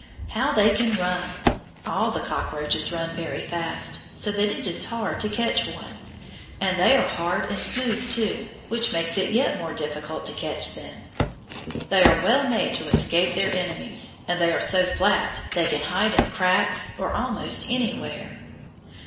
How they can run! All the cockroaches run very fast, so that it is hard to catch one. And they are hard and smooth, too, which makes it yet more difficult to catch them. They are well made to escape their enemies, and they are so flat they can hide in cracks or almost anywhere.